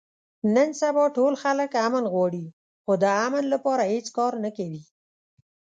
نن سبا ټول خلک امن غواړي، خو د امن لپاره هېڅ کار نه کوي.